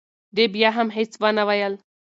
دې بیا هم هیڅ ونه ویل.